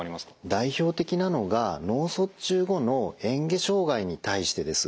代表的なのが脳卒中後のえん下障害に対してです。